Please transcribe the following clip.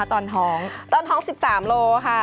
ตอนท้องคืนไช้เกิดสามลค่ะ